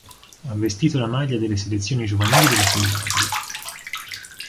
Ha vestito la maglia delle selezioni giovanili della Finlandia.